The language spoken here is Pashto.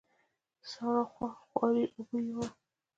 د سارا خواري اوبو يوړه.